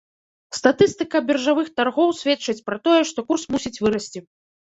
Статыстыка біржавых таргоў сведчыць пра тое, што курс мусіць вырасці.